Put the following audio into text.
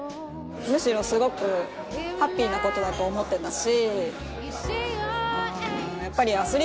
むしろすごくハッピーなことだと思ってたし。